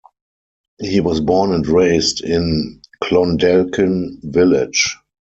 He was born and raised in Clondalkin Village.